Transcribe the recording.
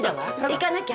行かなきゃ！